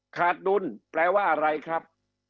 ขาดดุลแปลว่าอะไรครับ